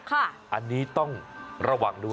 ค่ะค่ะอันนี้ต้องระวังด้วย